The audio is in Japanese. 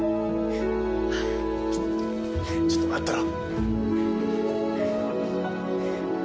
ちょっと待ってろ。